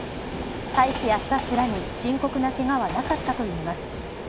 大使やスタッフらに深刻なけがはなかったといいます。